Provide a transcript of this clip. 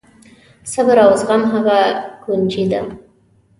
صبر او زغم هغه کونجي ده.